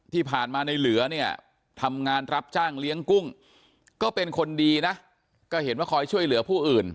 ที่ผ่านมาในเหลือเนี่ยทำงานรับจ้างเลี้ยงกุ้งก็เป็นคนดีนะก็เห็นว่าคอยช่วยเหลือผู้อื่น